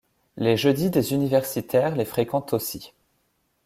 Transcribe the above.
Les jeudi des universitaires les fréquentent aussi.